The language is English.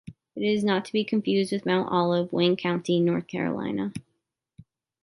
It is not to be confused with Mount Olive, Wayne County, North Carolina.